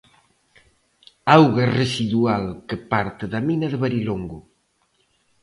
Auga residual que parte da mina de Varilongo.